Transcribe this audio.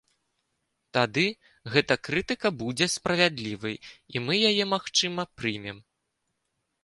Тады гэта крытыка будзе справядлівай і мы яе, магчыма, прымем.